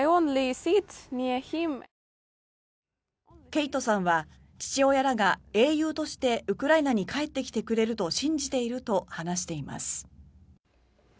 ケイトさんは父親らが英雄としてウクライナに帰ってきてくれると信じていると話しています。